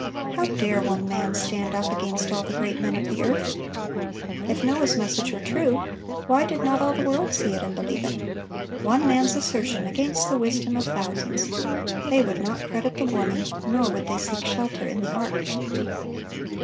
How dare one man stand up against all the great men of the earth? If Noah's message were true, why did not all the world see it and believe it? One man's assertion against the wisdom of thousands! They would not credit the warning, nor would they seek shelter in the ark.